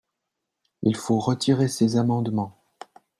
Il faut retirer ces amendements